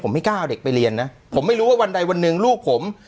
ผมไม่กล้าเอาเด็กไปเรียนนะผมไม่รู้ว่าวันใดวันหนึ่งลูกผม